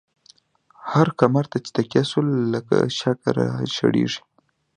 هر کمر ته چی تکیه شوو، لکه شگه را شړیږی